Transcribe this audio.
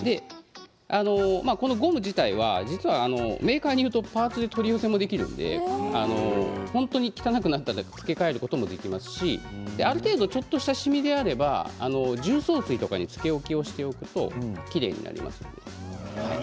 このゴム自体は実はメーカーによってパーツの取り寄せもできるので本当に汚くなったら付け替えることもできますしある程度ちょっとしたしみであれば重曹水とかにつけ置きをしておきますときれいになります。